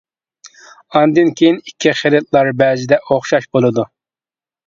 ئاندىن كېيىن ئىككى خىلىتلار بەزىدە ئوخشاش بولىدۇ.